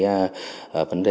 phê duyệt cái đề